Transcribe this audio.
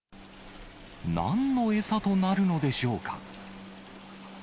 なんの餌となるのでしょうか。